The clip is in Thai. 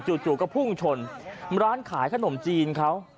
จู่ก็พุ่งชนร้านขายขนมจีนเขา